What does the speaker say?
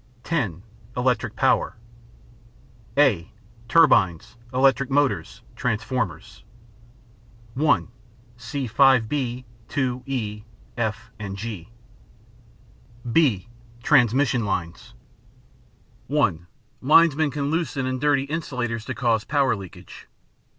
(10) Electric Power (a) Turbines, Electric Motors, Transformers (1) See 5 b. (2) (e), (f),and (g). (b) Transmission Lines (1.) Linesmen can loosen and dirty insulators to cause power leakage.